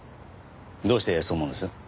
どうしてそう思うんです？